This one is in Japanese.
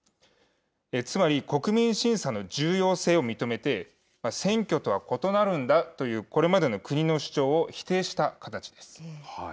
つまり国民審査の重要性を認めて、選挙とは異なるんだという、これまでの国の主張を否定した形です。